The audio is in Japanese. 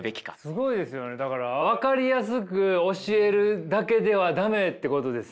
だから分かりやすく教えるだけでは駄目ってことですね。